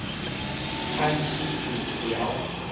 牽詩拔調